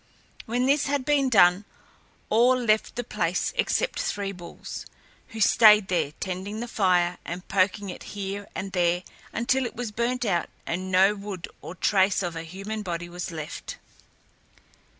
When this had been done, all left the place except Three Bulls, who stayed there, tending the fire and poking it here and there, until it was burnt out and no wood or trace of a human body was left.